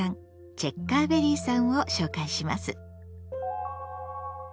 チェッカーベリーさんを紹介します。